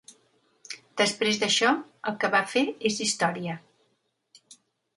Després d'això, el que va fer és història.